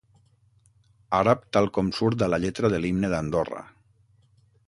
Àrab tal com surt a la lletra de l'himne d'Andorra.